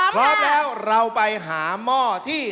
พร้อมแล้วเราไปหาหม้อที่